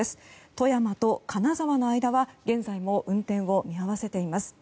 富山と金沢の間は現在も運転を見合わせています。